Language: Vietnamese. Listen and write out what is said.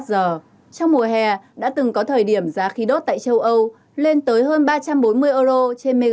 trong mùa hè đã từng có thời điểm giá khí đốt tại châu âu lên tới hơn ba trăm bốn mươi euro trên me